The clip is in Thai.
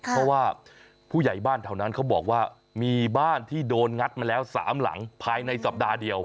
เพราะว่าผู้ใหญ่บ้านแถวนั้นเขาบอกว่ามีบ้านที่โดนงัดมาแล้ว๓หลังภายในสัปดาห์เดียว